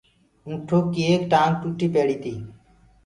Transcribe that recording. اُنٚٺوڪي ايڪ ٽآنٚگ ٽوٽي پيڙيٚ تي اورَ